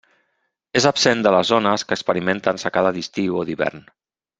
És absent de les zones que experimenten secada d'estiu o d'hivern.